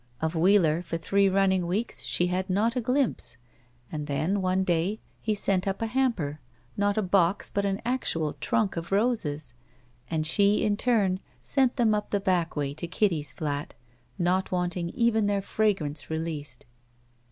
Of Wheeler for three running weeks she had not a glimpse, and then, one day, he sent up a hamper, not a box, but an actual tnmk of roses, and she, in ttun, sent them up the back way to Kitty's flat, not wanting even their fragrance released.